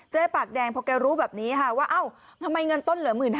ปากแดงพอแกรู้แบบนี้ค่ะว่าเอ้าทำไมเงินต้นเหลือ๑๕๐๐